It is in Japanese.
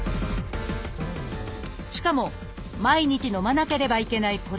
しかも毎日のまなければいけない